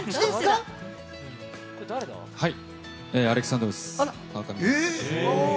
はい。